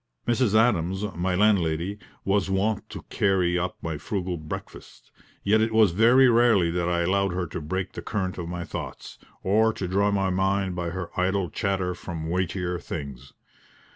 Mrs. Adams, my landlady, was wont to carry up my frugal breakfast; yet it was very rarely that I allowed her to break the current of my thoughts, or to draw my mind by her idle chatter from weightier things.